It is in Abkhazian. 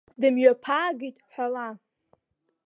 Дымҩаԥаагеит ҳәала.